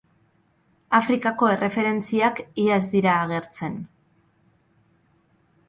Afrikako erreferentziak ia ez dira agertzen.